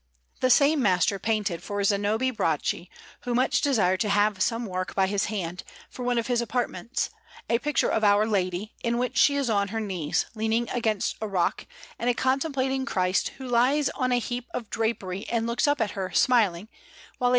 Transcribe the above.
The same master painted for Zanobi Bracci, who much desired to have some work by his hand, for one of his apartments, a picture of Our Lady, in which she is on her knees, leaning against a rock, and contemplating Christ, who lies on a heap of drapery and looks up at her, smiling; while a S.